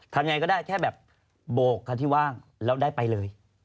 ทำยังไงก็ได้แค่แบบโบกค่ะที่ว่างแล้วได้ไปเลย